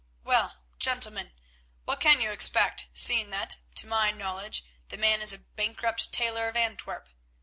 Well, gentlemen, what can you expect, seeing that, to my knowledge, the man is a bankrupt tailor of Antwerp?